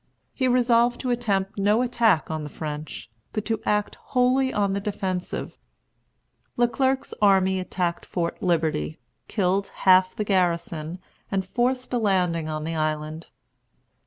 He resolved to attempt no attack on the French, but to act wholly on the defensive. Le Clerc's army attacked Fort Liberty, killed half the garrison, and forced a landing on the island.